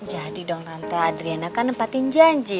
jadi dong tante adriana kan nempatin janji